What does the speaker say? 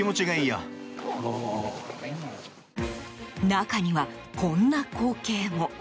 中には、こんな光景も。